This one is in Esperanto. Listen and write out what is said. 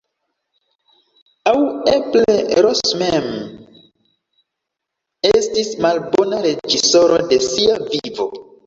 Aŭ eble Ros mem estis malbona reĝisoro de sia vivo.